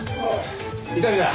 伊丹だ。